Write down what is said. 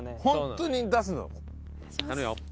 本当に出すのよ。